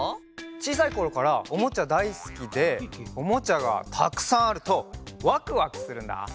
ちいさいころからおもちゃだいすきでおもちゃがたくさんあるとわくわくするんだ！